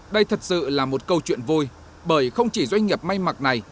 đây thật sự là một câu chuyện vui bởi không chỉ doanh nghiệp may mặc này